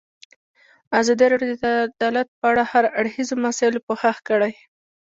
ازادي راډیو د عدالت په اړه د هر اړخیزو مسایلو پوښښ کړی.